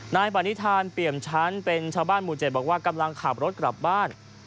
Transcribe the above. นายปณิธานเปี่ยมชั้นเป็นชาวบ้านหมู่๗บอกว่ากำลังขับรถกลับบ้าน